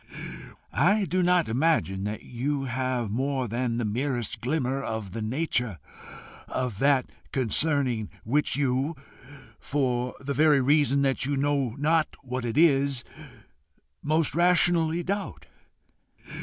I do not imagine that you have more than the merest glimmer of the nature of that concerning which you, for the very reason that you know not what it is, most rationally doubt.